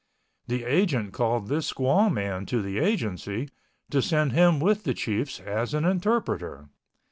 The agent called this squaw man to the Agency to send him with the chiefs as an interpreter.